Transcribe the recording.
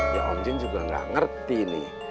ya om jin juga gak ngerti nih